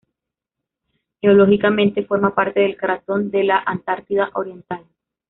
Geológicamente forman parte del Cratón de la Antártida Oriental.